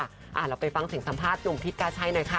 เราไปฟังเสียงสัมภาษณ์หนุ่มพิษกาชัยหน่อยค่ะ